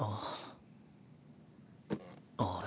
あれ？